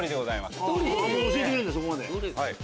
教えてくれるんだそこまで。